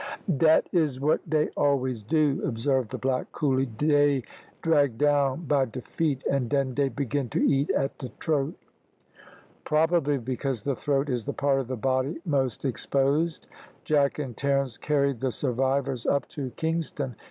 "Dat is what dey always do," observed the black coolly. "Dey drag down by de feet, and den dey begin to eat at de trote." Probably because the throat is the part of the body most exposed. Jack and Terence carried the survivors up to Kingston.